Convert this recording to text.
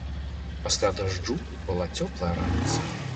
Пасля дажджу была цёплая раніца.